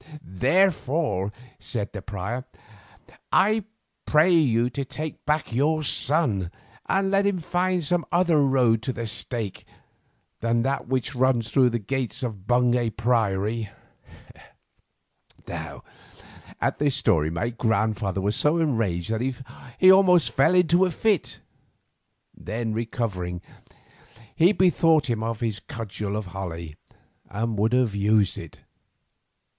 "Therefore," said the prior, "I pray you take back your son, and let him find some other road to the stake than that which runs through the gates of Bungay Priory." Now at this story my grandfather was so enraged that he almost fell into a fit; then recovering, he bethought him of his cudgel of holly, and would have used it.